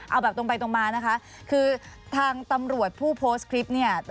เอาแบบตรงไปตรงมานะคะคือทางตำรวจผู้โพสต์คลิปเนี่ย